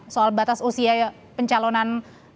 soal batas usia pencalonan